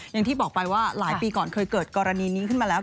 อย่างที่บอกไปว่าหลายปีก่อนเคยเกิดกรณีนี้ขึ้นมาแล้ว